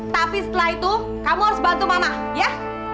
tapi setelah itu kamu harus bantu mama ya